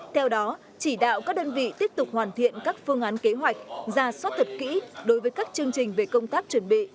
theo đó chỉ đạo các đơn vị tiếp tục hoàn thiện các phương án kế hoạch ra soát thật kỹ đối với các chương trình về công tác chuẩn bị